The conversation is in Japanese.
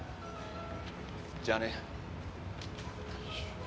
じゃあね。